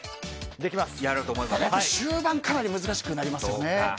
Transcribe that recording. できますけど終盤、かなり難しくなりますよね。